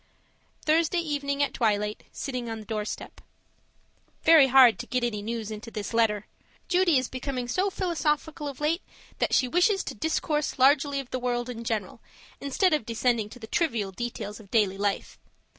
Thursday evening at twilight, sitting on the doorstep. Very hard to get any news into this letter! Judy is becoming so philosophical of late, that she wishes to discourse largely of the world in general, instead of descending to the trivial details of daily life.